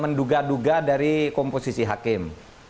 menduga duga dari komposisi hakim